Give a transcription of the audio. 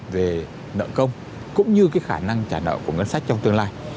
về nợ công cũng như cái khả năng trả nợ của ngân sách trong tương lai